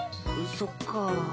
そっか。